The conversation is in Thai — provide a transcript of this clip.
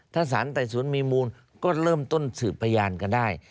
ถ้าสารไต่สวนมีมูลก็เริ่มต้นสืบพยานกันได้